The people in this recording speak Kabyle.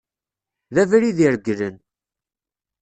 D abrid ireglen.